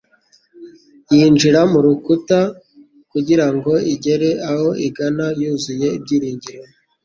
yinjira mu rukuta kugira ngo igere aho igana yuzuye ibyiringiro. ”